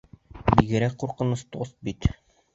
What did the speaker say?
Бигерәк ҡурҡыныс тост бит.